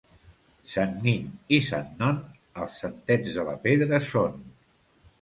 Sant Nin i Sant Non, els santets de la Pedra són.